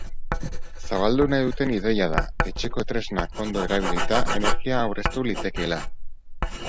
Zabaldu nahi duten ideia da, etxeko tresnak ondo erabilita energia aurreztu litekeela.